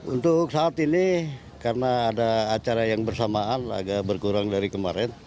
untuk saat ini karena ada acara yang bersamaan agak berkurang dari kemarin